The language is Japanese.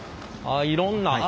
ああいろんな。